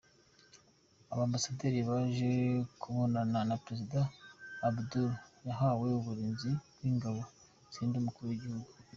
Abambasaderi baje kubonana na Perezida Abdul bahawe uburinzi bw’ingabo zirind umukuru w’igihugu.